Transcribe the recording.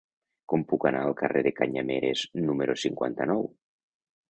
Com puc anar al carrer de Canyameres número cinquanta-nou?